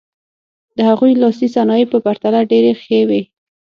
د هغوی لاسي صنایع په پرتله ډېرې ښې وې.